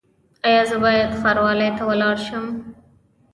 ایا زه باید ښاروالۍ ته لاړ شم؟